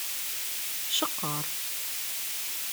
Ceqqer.